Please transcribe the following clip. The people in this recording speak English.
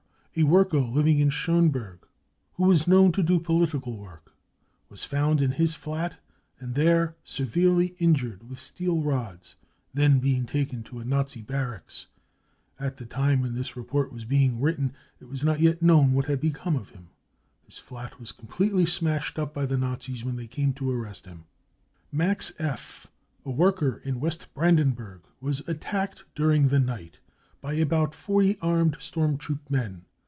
4 i worker living in Schoneburg, who was known to do political work, was found in his flat and there * severely injured with steel rods, then being taken to a Nazi barracks. At the time when this report was being 208 brown book of the hitler terror written it was not yet known what had become of him. His flat was completely smashed up by the Nazis when they came to arrest him. 5 '" Max F., a worker in W., Brandenburg, was attacked during the night by about 40 armed storm troop men.